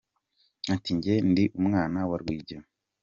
Ati “Njye ndi umwana wa Rwigema.